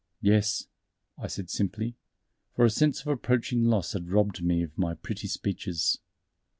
"Yes," I said simply, for a sense of approaching loss had robbed me of my pretty speeches.